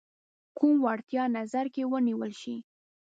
کوم وړتیا نظر کې ونیول شي.